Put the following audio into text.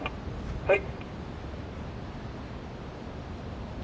はい。